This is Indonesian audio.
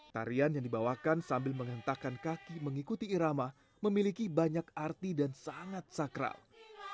tarian yang dibawakan sambil menghentakkan kaki mengikuti irama memiliki banyak arti dan sangat sakral